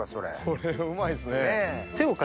これはうまいですね。